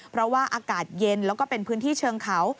เพราะว่าอากาศเย็นแล้วก็เป็นพื้นที่เชิงเขา